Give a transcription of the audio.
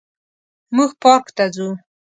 موږ پارک ته ځو